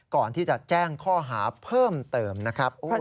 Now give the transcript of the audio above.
ก่อนที่จะแจ้งข้อหาเพิ่มเติมนะครับ